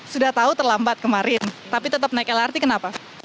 sudah tahu terlambat kemarin tapi tetap naik lrt kenapa